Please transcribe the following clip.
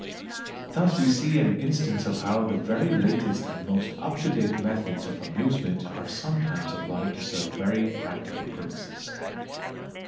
Thus we see an instance of how the very latest and most up to date methods of amusement are sometimes applied to serve very practical purposes.